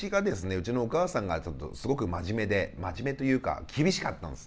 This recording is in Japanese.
うちのお母さんがすごく真面目で真面目というか厳しかったんです。